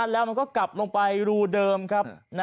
แล้วมันก็กลับลงไปรูเดิมครับ